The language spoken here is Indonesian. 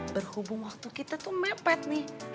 berhubung waktu kita tuh mepet nih